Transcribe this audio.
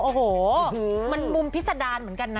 โอ้โหมันมุมพิษดารเหมือนกันนะ